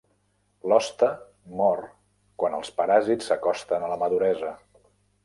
L'hoste mor quan els paràsits s'acosten a la maduresa.